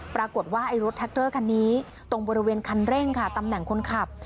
ปรากฏว่าไอ้รถแท็กเกอร์คันนี้ตรงบริเวณคันเร่งค่ะตำแหน่งคนขับ